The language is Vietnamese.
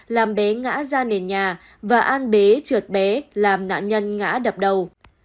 làm bé ngã ra nền nhà và an bế trượt bé làm nạn nhân ngã đập đầu